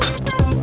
wah keren banget